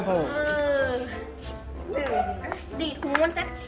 โอ้ย